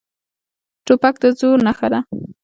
توپک د زور نښه ده.